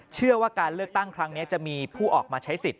เชื่อว่าการเลือกตั้งครั้งนี้จะมีผู้ออกมาใช้สิทธิ